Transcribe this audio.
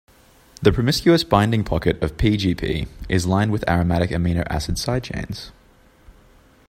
The promiscuous binding pocket of P-gp is lined with aromatic amino acid side chains.